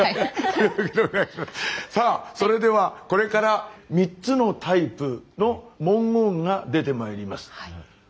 さあそれではこれから３つのタイプの文言が出てまいります。